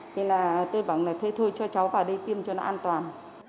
thế là tôi bảo là thôi cho cháu vào đây tiêm cho nó an toàn